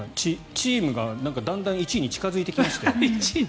チームがだんだん１位に近付いてきましたよ。